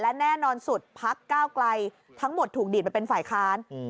และแน่นอนสุดพักก้าวไกลทั้งหมดถูกดีดไปเป็นฝ่ายค้าน